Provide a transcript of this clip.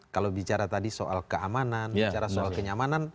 kalau bicara tadi soal keamanan bicara soal kenyamanan